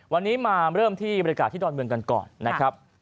วันนี้มาเริ่มที่บรรยากาศที่ดอนเมืองกันก่อนนะครับ